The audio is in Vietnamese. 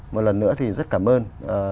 một lần nữa thì rất cảm ơn